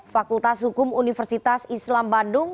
fakultas hukum universitas islam bandung